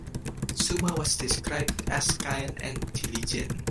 Suma was described as kind and diligent.